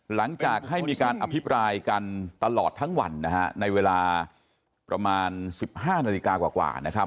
หลังจากให้มีการอภิปรายกันตลอดทั้งวันนะฮะในเวลาประมาณ๑๕นาฬิกากว่านะครับ